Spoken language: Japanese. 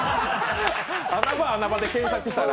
穴場、穴場で検索したら？